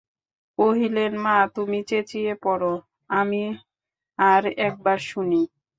কহিলেন, মা, তুমি চেঁচিয়ে পড়ো, আমি আর-এক বার শুনি।